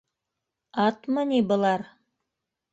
Атмы ни былар?!